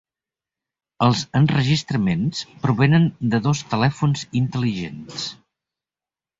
Els enregistraments provenen de dos telèfons intel·ligents.